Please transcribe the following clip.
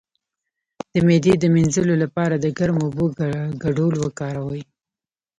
د معدې د مینځلو لپاره د ګرمو اوبو ګډول وکاروئ